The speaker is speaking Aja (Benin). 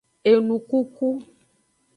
Enukuku.